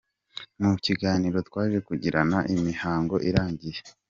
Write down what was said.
Mu kiganiro twaje kugirana imihango irangiye,